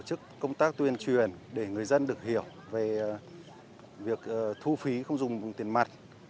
tổ chức công tác tuyên truyền để người dân được hiểu về việc thu phí không dùng tiền mặt